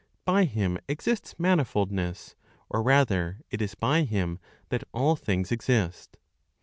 By Him exists manifoldness; or rather, it is by Him that all things exist.